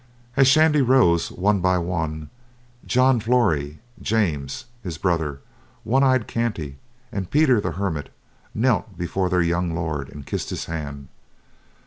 As Shandy rose, one by one, John Flory, James, his brother, One Eye Kanty, and Peter the Hermit knelt before their young lord and kissed his hand.